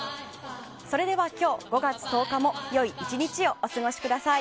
それでは今日５月１０日も良い１日をお過ごしください。